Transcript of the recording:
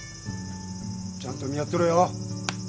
ちゃんと見張ってろよ。